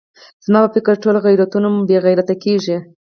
زما په فکر ټول غیرتونه مو بې غیرته کېږي.